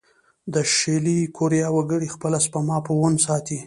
د شلي کوریا وګړي خپله سپما په وون ساتي.